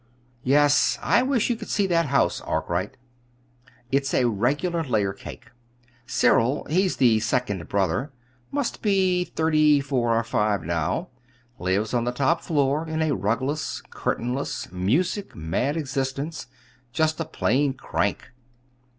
"Yes. I wish you could see that house, Arkwright. It's a regular layer cake. Cyril he's the second brother; must be thirty four or five now lives on the top floor in a rugless, curtainless, music mad existence just a plain crank.